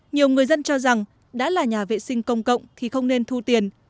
nhiều người dân cho rằng đã là nhà vệ sinh công cộng thì không nên thu tiền